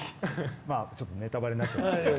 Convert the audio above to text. ちょっとネタバレになっちゃうけど。